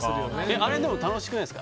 あれ、でも楽しくないですか。